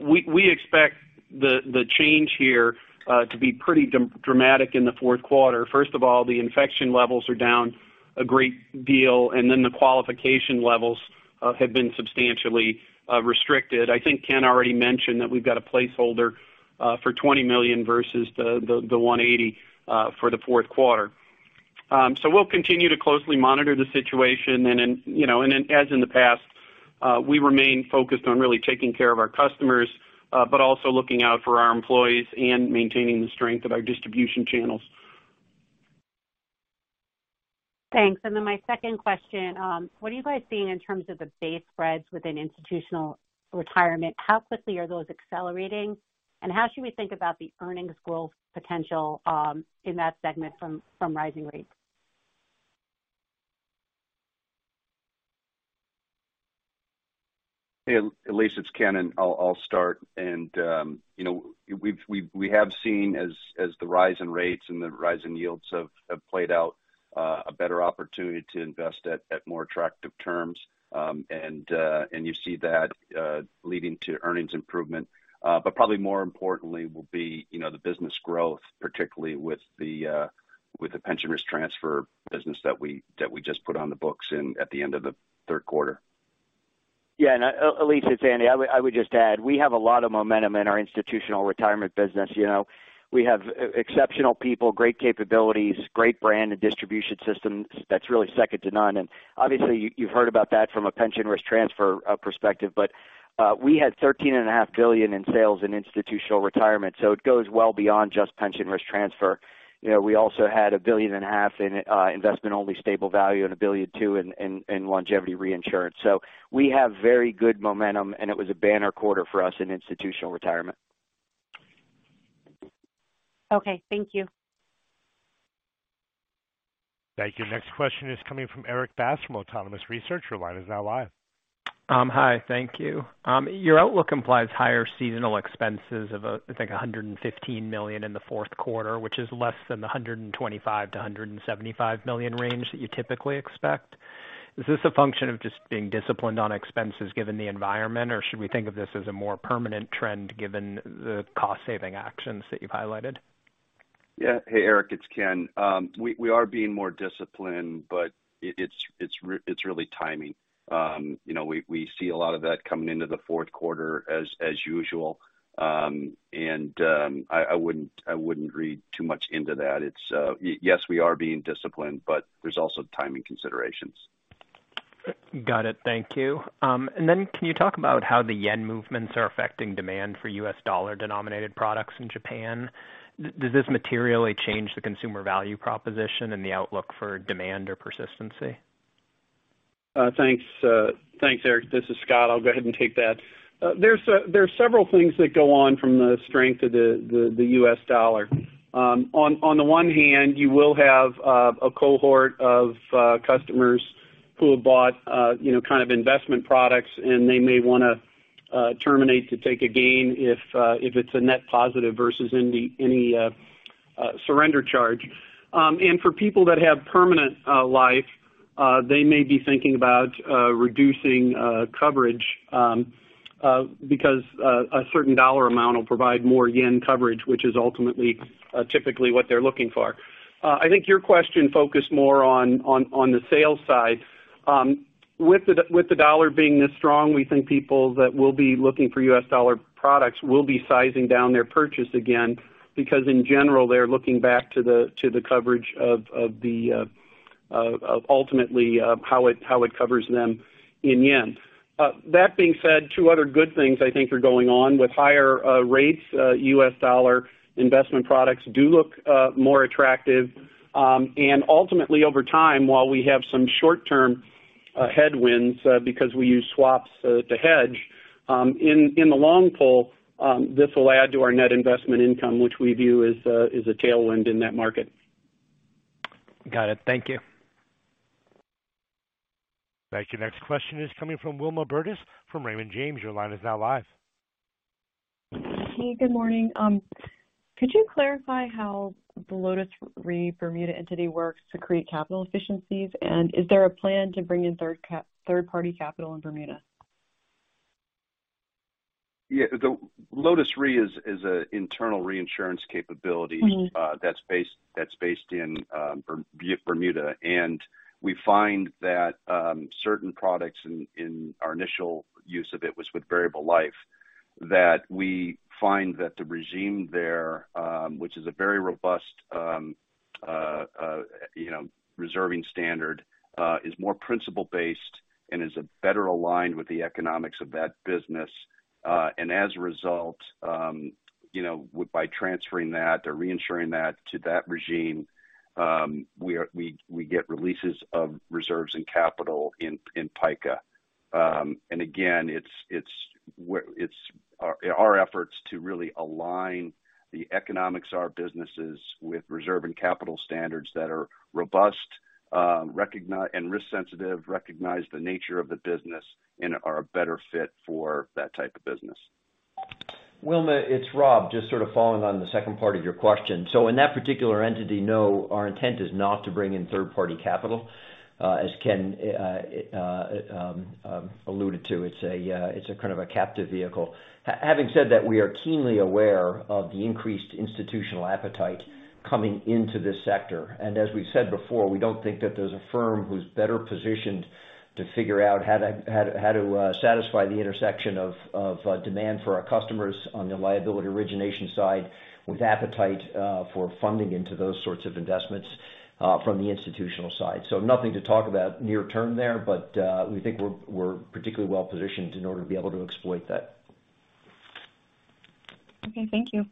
We expect the change here to be pretty dramatic in the fourth quarter. First of all, the infection levels are down a great deal, and then the qualification levels have been substantially restricted. I think Ken already mentioned that we've got a placeholder for $20 million versus the $180 for the fourth quarter. We'll continue to closely monitor the situation. You know, as in the past, we remain focused on really taking care of our customers, but also looking out for our employees and maintaining the strength of our distribution channels. Thanks. My second question, what are you guys seeing in terms of the base spreads within institutional retirement? How quickly are those accelerating, and how should we think about the earnings growth potential in that segment from rising rates? Hey, Elyse, it's Ken, and I'll start. You know, we have seen as the rise in rates and the rise in yields have played out a better opportunity to invest at more attractive terms. And you see that leading to earnings improvement. But probably more importantly will be you know, the business growth, particularly with the pension risk transfer business that we just put on the books at the end of the third quarter. Yeah. Elyse, it's Andy. I would just add, we have a lot of momentum in our institutional retirement business, you know? We have exceptional people, great capabilities, great brand and distribution systems that's really second to none. Obviously, you've heard about that from a pension risk transfer perspective. We had $13.5 billion in sales in institutional retirement, so it goes well beyond just pension risk transfer. You know, we also had $1.5 billion in investment-only stable value and $1.2 billion in longevity reinsurance. We have very good momentum, and it was a banner quarter for us in institutional retirement. Okay. Thank you. Thank you. Next question is coming from Erik Bass from Autonomous Research. Your line is now live. Hi, thank you. Your outlook implies higher seasonal expenses of, I think, $115 million in the fourth quarter, which is less than the $125 million-$175 million range that you typically expect. Is this a function of just being disciplined on expenses given the environment, or should we think of this as a more permanent trend given the cost-saving actions that you've highlighted? Yeah. Hey, Erik, it's Ken. We are being more disciplined, but it's really timing. You know, we see a lot of that coming into the fourth quarter as usual. I wouldn't read too much into that. Yes, we are being disciplined, but there's also timing considerations. Got it. Thank you. Can you talk about how the yen movements are affecting demand for U.S. dollar-denominated products in Japan? Does this materially change the consumer value proposition and the outlook for demand or persistency? Thanks, Erik. This is Scott. I'll go ahead and take that. There's several things that go on from the strength of the U.S. dollar. On the one hand, you will have a cohort of customers who have bought, you know, kind of investment products, and they may wanna terminate to take a gain if it's a net positive versus any surrender charge. For people that have permanent life, they may be thinking about reducing coverage because a certain dollar amount will provide more yen coverage, which is ultimately typically what they're looking for. I think your question focused more on the sales side. With the dollar being this strong, we think people that will be looking for U.S. dollar products will be sizing down their purchase again because in general, they're looking back to the coverage of ultimately how it covers them in yen. That being said, two other good things I think are going on with higher rates. U.S. dollar investment products do look more attractive. Ultimately, over time, while we have some short-term headwinds because we use swaps to hedge, in the long haul, this will add to our net investment income which we view as a tailwind in that market. Got it. Thank you. Thank you. Next question is coming from Wilma Burdis from Raymond James. Your line is now live. Hey, good morning. Could you clarify how the Lotus Re Bermuda entity works to create capital efficiencies? Is there a plan to bring in third party capital in Bermuda? Yeah. The Lotus Re is a internal reinsurance capability. Mm-hmm. That's based in Bermuda. We find that certain products in our initial use of it was with variable life, that the regime there, which is a very robust, you know, reserving standard, is more principles-based and is better aligned with the economics of that business. As a result, you know, by transferring that or reinsuring that to that regime, we get releases of reserves and capital in PICA. Again, it's our efforts to really align the economics of our businesses with reserve and capital standards that are robust, and risk sensitive, recognize the nature of the business, and are a better fit for that type of business. Wilma, it's Rob. Just sort of following on the second part of your question. In that particular entity, no, our intent is not to bring in third-party capital. As Ken alluded to, it's a kind of a captive vehicle. Having said that, we are keenly aware of the increased institutional appetite coming into this sector. As we've said before, we don't think that there's a firm who's better positioned to figure out how to satisfy the intersection of demand for our customers on the liability origination side with appetite for funding into those sorts of investments from the institutional side. Nothing to talk about near term there, but we think we're particularly well-positioned in order to be able to exploit that. Okay, thank you.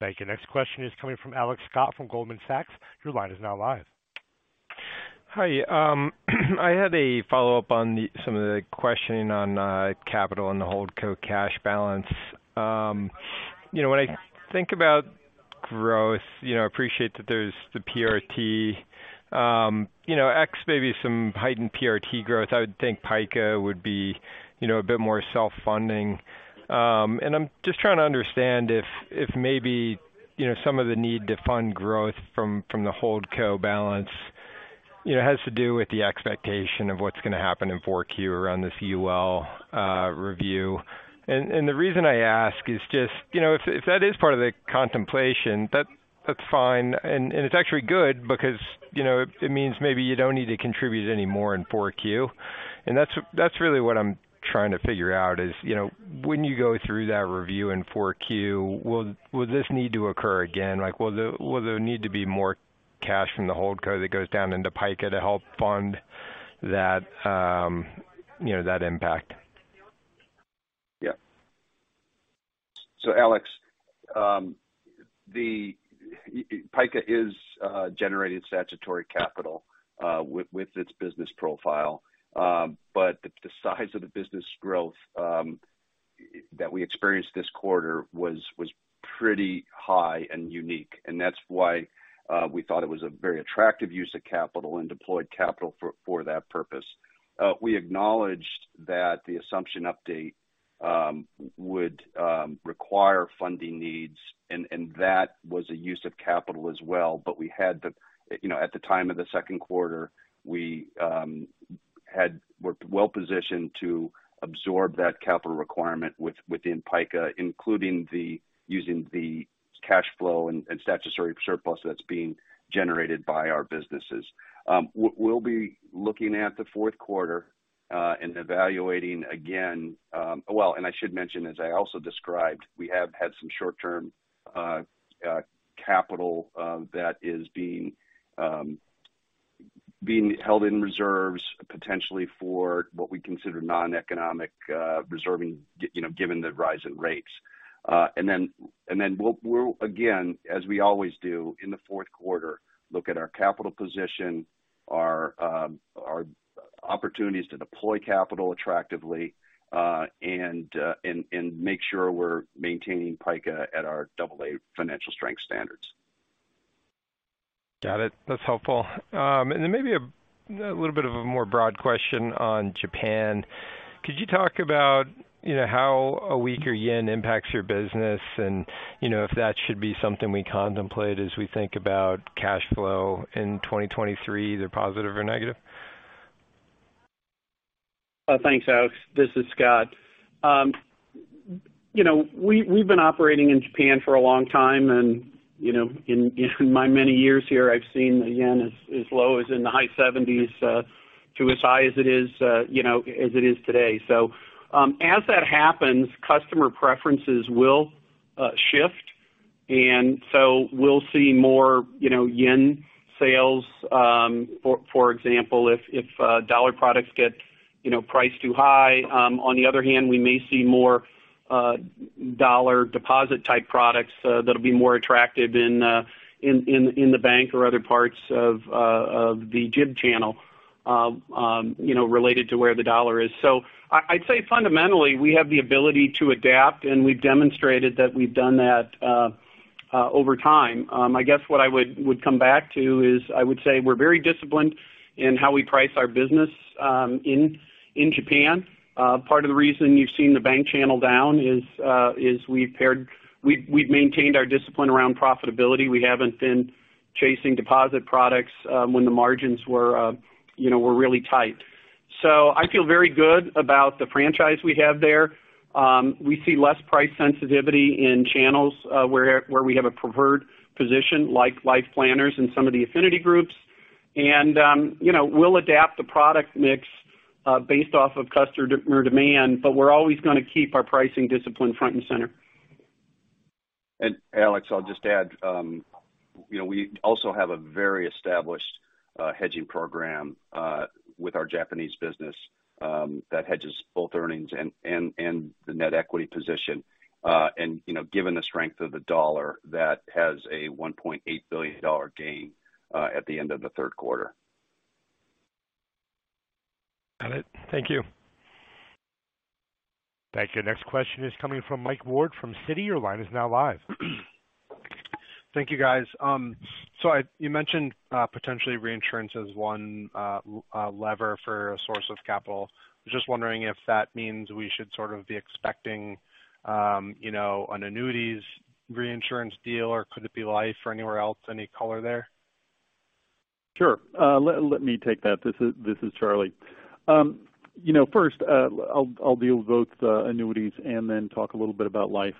Thank you. Next question is coming from Alex Scott from Goldman Sachs. Your line is now live. Hi. I had a follow-up on some of the questioning on capital and the Holdco cash balance. You know, when I think about growth, you know, I appreciate that there's the PRT. You know, e.g., maybe some heightened PRT growth, I would think PICA would be, you know, a bit more self-funding. And I'm just trying to understand if maybe, you know, some of the need to fund growth from the Holdco balance, you know, has to do with the expectation of what's gonna happen in 4Q around this UL review. And the reason I ask is just, you know, if that is part of the contemplation, that's fine, and it's actually good because, you know, it means maybe you don't need to contribute any more in 4Q. That's really what I'm trying to figure out is, you know, when you go through that review in Q4, will this need to occur again? Like, will there need to be more cash from the Holdco that goes down into PICA to help fund that, you know, that impact? Yeah. Alex, the PICA is generating statutory capital with its business profile. The size of the business growth that we experienced this quarter was pretty high and unique. That's why we thought it was a very attractive use of capital and deployed capital for that purpose. We acknowledged that the assumption update would require funding needs, and that was a use of capital as well. We had you know, at the time of the second quarter, we're well-positioned to absorb that capital requirement within PICA, including using the cash flow and statutory surplus that's being generated by our businesses. We'll be looking at the fourth quarter and evaluating again. Well, I should mention, as I also described, we have had some short-term capital that is being held in reserves potentially for what we consider non-economic reserving, you know, given the rise in rates. Then we'll again, as we always do in the fourth quarter, look at our capital position, our opportunities to deploy capital attractively, and make sure we're maintaining PICA at our AA financial strength standards. Got it. That's helpful. Maybe a little bit of a more broad question on Japan. Could you talk about, you know, how a weaker yen impacts your business? You know, if that should be something we contemplate as we think about cash flow in 2023, either positive or negative. Thanks, Alex. This is Scott. You know, we've been operating in Japan for a long time, and you know, in my many years here, I've seen the yen as low as in the high 70s to as high as it is today. As that happens, customer preferences will shift. We'll see more, you know, yen sales, for example, if dollar products get priced too high. On the other hand, we may see more dollar deposit type products that'll be more attractive in the bank or other parts of the JA channel, you know, related to where the dollar is. I'd say fundamentally, we have the ability to adapt, and we've demonstrated that we've done that over time. I guess what I would come back to is I would say we're very disciplined in how we price our business in Japan. Part of the reason you've seen the bank channel down is we've maintained our discipline around profitability. We haven't been chasing deposit products when the margins were, you know, really tight. I feel very good about the franchise we have there. We see less price sensitivity in channels where we have a preferred position like life planners and some of the affinity groups. You know, we'll adapt the product mix based off of customer demand, but we're always gonna keep our pricing discipline front and center. Alex, I'll just add, you know, we also have a very established hedging program with our Japanese business that hedges both earnings and the net equity position. You know, given the strength of the dollar, that has a $1.8 billion gain at the end of the third quarter. Got it. Thank you. Thank you. Next question is coming from Mike Ward from Citi. Your line is now live. Thank you, guys. You mentioned potentially reinsurance as one lever for a source of capital. Just wondering if that means we should sort of be expecting an annuities reinsurance deal or could it be life or anywhere else? Any color there? Sure. Let me take that. This is Charlie. You know, first, I'll deal with both the annuities and then talk a little bit about life.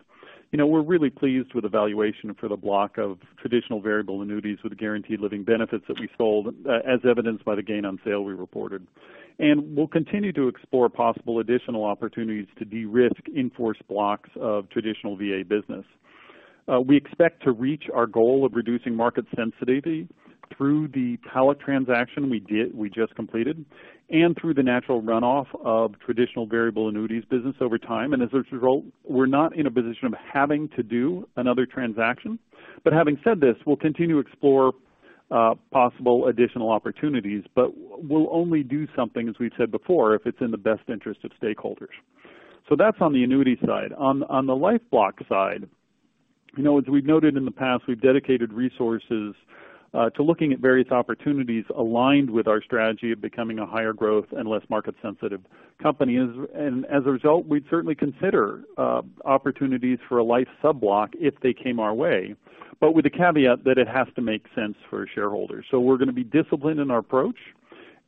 You know, we're really pleased with valuation for the block of traditional variable annuities with guaranteed living benefits that we sold, as evidenced by the gain on sale we reported. We'll continue to explore possible additional opportunities to de-risk in-force blocks of traditional VA business. We expect to reach our goal of reducing market sensitivity through the PALAC transaction we did, we just completed, and through the natural runoff of traditional variable annuities business over time. As a result, we're not in a position of having to do another transaction. Having said this, we'll continue to explore possible additional opportunities, but we'll only do something, as we've said before, if it's in the best interest of stakeholders. That's on the annuity side. On the life block side, you know, as we've noted in the past, we've dedicated resources to looking at various opportunities aligned with our strategy of becoming a higher growth and less market sensitive company. And as a result, we'd certainly consider opportunities for a life sub-block if they came our way, but with the caveat that it has to make sense for shareholders. We're gonna be disciplined in our approach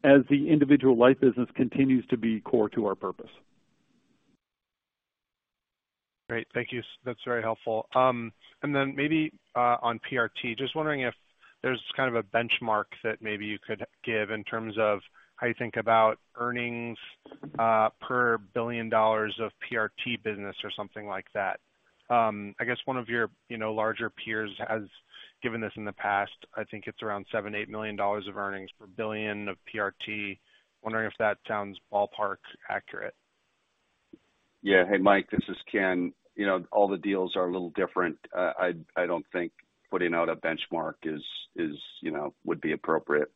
as the individual life business continues to be core to our purpose. Great. Thank you. That's very helpful. Maybe on PRT, just wondering if there's kind of a benchmark that maybe you could give in terms of how you think about earnings per $1 billion of PRT business or something like that. I guess one of your, you know, larger peers has given this in the past. I think it's around $7 million-$8 million of earnings per $1 billion of PRT. Wondering if that sounds ballpark accurate. Yeah. Hey, Mike, this is Ken. You know, all the deals are a little different. I don't think putting out a benchmark is, you know, would be appropriate.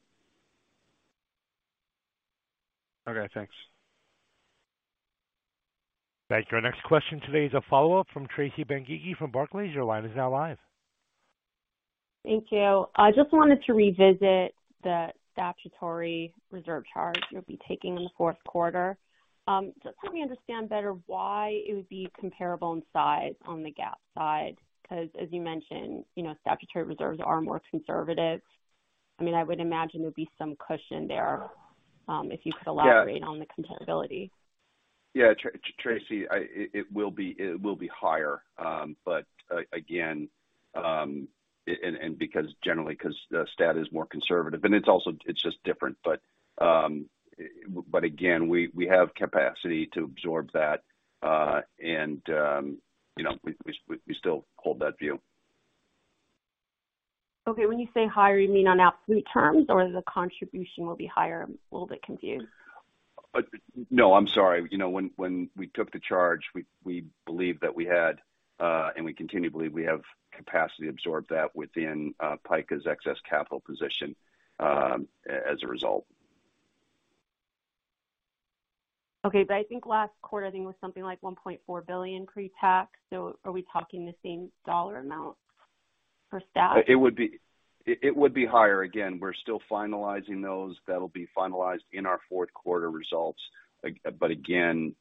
Okay, thanks. Thank you. Our next question today is a follow-up from Tracy Benguigui from Barclays. Your line is now live. Thank you. I just wanted to revisit the statutory reserve charge you'll be taking in the fourth quarter. Just help me understand better why it would be comparable in size on the GAAP side? 'Cause as you mentioned, you know, statutory reserves are more conservative. I mean, I would imagine there'd be some cushion there if you could elaborate on the comparability. Yeah, Tracy, it will be higher. Again, and because generally 'cause the stat is more conservative and it's also just different. Again, we have capacity to absorb that. You know, we still hold that view. Okay. When you say higher, you mean on absolute terms or the contribution will be higher? I'm a little bit confused. No, I'm sorry. You know, when we took the charge, we believed that we had and we continue to believe we have capacity to absorb that within PICA's excess capital position as a result. Okay. I think last quarter, I think was something like $1.4 billion pre-tax. Are we talking the same dollar amount for staff? It would be higher. Again, we're still finalizing those. That'll be finalized in our fourth quarter results. Again,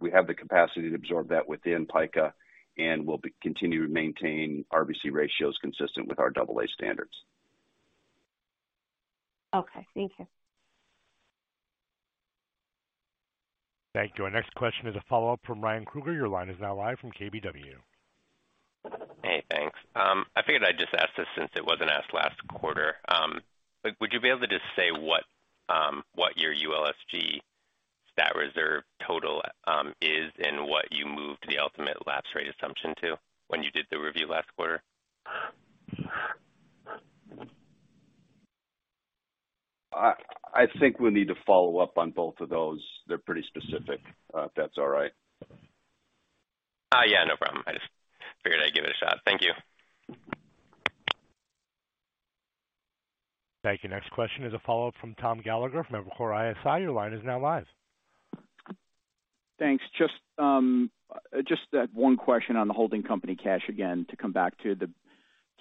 we have the capacity to absorb that within PICA, and we'll continue to maintain RBC ratios consistent with our AA standards. Okay, thank you. Thank you. Our next question is a follow-up from Ryan Krueger. Your line is now live from KBW. Hey, thanks. I figured I'd just ask this since it wasn't asked last quarter. Would you be able to just say what your ULSG stat reserve total is and what you moved the ultimate lapse rate assumption to when you did the review last quarter? I think we'll need to follow up on both of those. They're pretty specific, if that's all right. Yeah, no problem. I just figured I'd give it a shot. Thank you. Thank you. Next question is a follow-up from Tom Gallagher from Evercore ISI. Your line is now live. Thanks. Just one question on the holding company cash again to come back to. The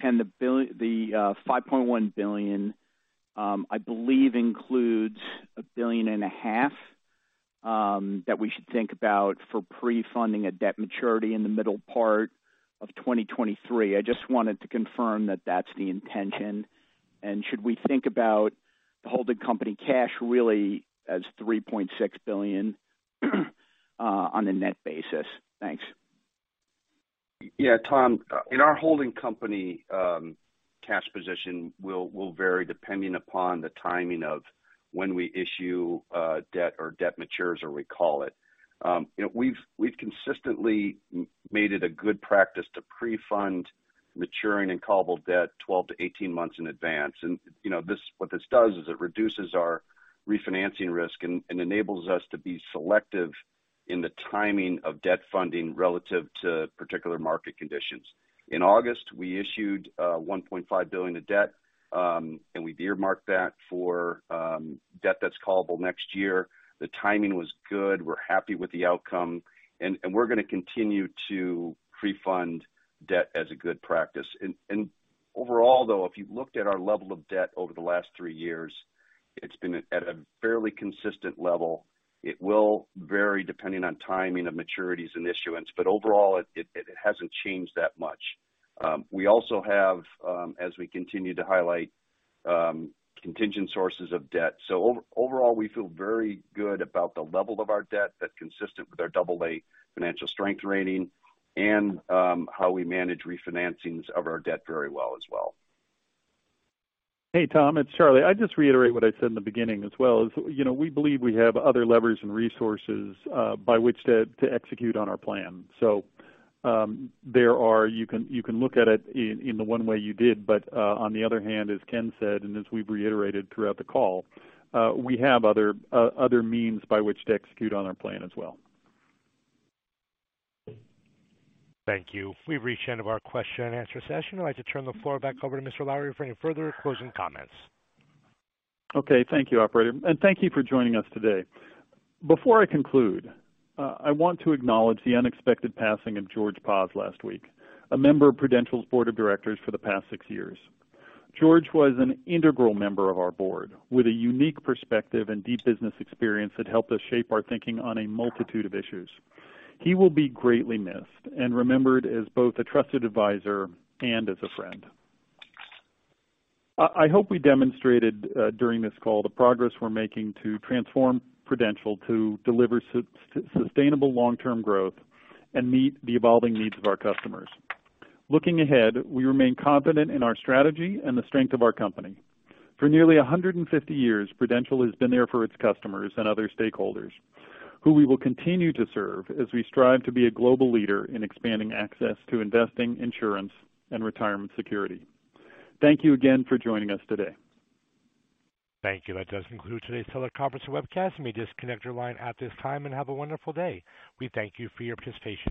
$5.1 billion, I believe includes $1.5 billion that we should think about for pre-funding a debt maturity in the middle part of 2023. I just wanted to confirm that that's the intention. Should we think about the holding company cash really as $3.6 billion on a net basis? Thanks. Yeah, Tom. In our holding company cash position will vary depending upon the timing of when we issue debt or debt matures or recall it. You know, we've consistently made it a good practice to pre-fund maturing and callable debt 12-18 months in advance. You know, what this does is it reduces our refinancing risk and enables us to be selective in the timing of debt funding relative to particular market conditions. In August, we issued $1.5 billion of debt and we earmarked that for debt that's callable next year. The timing was good. We're happy with the outcome. We're gonna continue to pre-fund debt as a good practice. Overall, though, if you've looked at our level of debt over the last 3 years, it's been at a fairly consistent level. It will vary depending on timing of maturities and issuance, but overall it hasn't changed that much. We also have, as we continue to highlight, contingent sources of debt. Overall, we feel very good about the level of our debt that's consistent with our AA financial strength rating and how we manage refinancings of our debt very well as well. Hey, Tom, it's Charlie. I just reiterate what I said in the beginning as well. You know, we believe we have other levers and resources by which to execute on our plan. You can look at it in the one way you did but on the other hand, as Ken said, and as we've reiterated throughout the call, we have other means by which to execute on our plan as well. Thank you. We've reached the end of our question-and-answer session. I'd like to turn the floor back over to Mr. Lowrey for any further closing comments. Okay. Thank you, operator. Thank you for joining us today. Before I conclude, I want to acknowledge the unexpected passing of George Paz last week, a member of Prudential's board of directors for the past 6 years. George was an integral member of our board with a unique perspective and deep business experience that helped us shape our thinking on a multitude of issues. He will be greatly missed and remembered as both a trusted advisor and as a friend. I hope we demonstrated during this call the progress we're making to transform Prudential to deliver sustainable long-term growth and meet the evolving needs of our customers. Looking ahead, we remain confident in our strategy and the strength of our company. For nearly 150 years, Prudential has been there for its customers and other stakeholders, who we will continue to serve as we strive to be a global leader in expanding access to investing, insurance, and retirement security. Thank you again for joining us today. Thank you. That does conclude today's teleconference and webcast. You may disconnect your line at this time and have a wonderful day. We thank you for your participation.